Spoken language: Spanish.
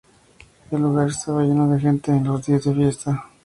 El lugar estaba lleno de gente en los días de fiesta.